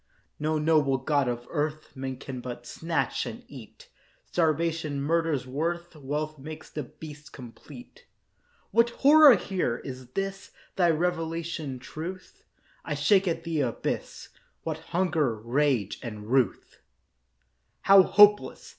No noble god of earth, Man can but snatch and eat; Starvation murders worth, Wealth makes the beast complete. What horror here! Is this Thy revelation, Truth? I shake at the abyss. What hunger, rage, and ruth, How hopeless!